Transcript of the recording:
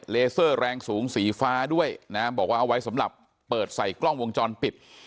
เลเซอร์แรงสูงสีฟ้าด้วยนะบอกว่าเอาไว้สำหรับเปิดใส่กล้องวงจรปิด